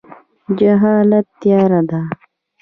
جهالت تیاره ده